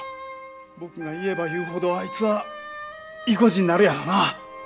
僕が言えば言うほどあいつは依怙地になるやろな。